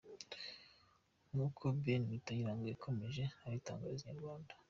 Nkuko Ben Kayiranga yakomeje abitangariza inyarwanda.